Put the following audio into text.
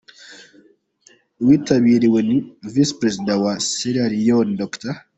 Witabiriwe na Visi Perezida wa Sierra Leone, Dr.